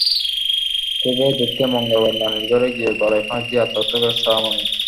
ক্ষোভে-দুঃখে মঙ্গলবার নানির ঘরে গিয়ে গলায় ফাঁস দিয়ে আত্মহত্যা করে শ্রাবণী।